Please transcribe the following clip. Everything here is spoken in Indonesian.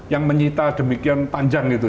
yang menyita demikian panjang itu